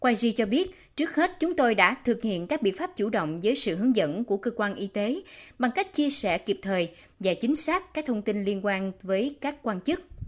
ji cho biết trước hết chúng tôi đã thực hiện các biện pháp chủ động dưới sự hướng dẫn của cơ quan y tế bằng cách chia sẻ kịp thời và chính xác các thông tin liên quan với các quan chức